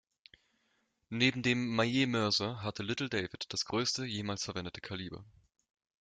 Neben dem Mallet Mörser hat Little David das größte jemals verwendete Kaliber.